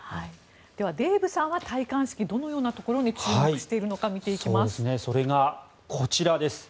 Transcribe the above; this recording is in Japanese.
ではデーブさんは戴冠式どのようなところに注目しているのかこちらです。